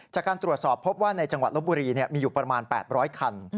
จากการตรวจสอบพบว่าในจังหวัดลบบุรีมีอยู่ประมาณ๘๐๐คัน